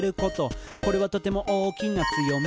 「これはとても大きな強み！」